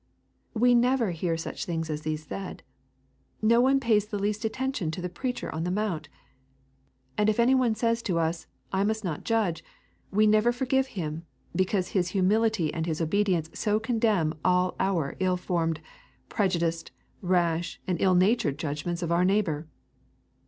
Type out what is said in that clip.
We never hear such things as these said. No one pays the least attention to the Preacher on the Mount. And if any one says to us, I must not judge, we never forgive him, because his humility and his obedience so condemn all our ill formed, prejudiced, rash, and ill natured judgments of our neighbour.